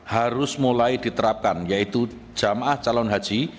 harus mulai diterapkan yaitu jamaah calon haji